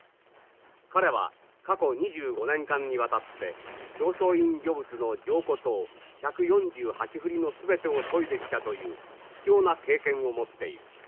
彼は過去２５年間にわたって正倉院御物の上古刀１４８ふりの全てを研いできたという貴重な経験を持っている。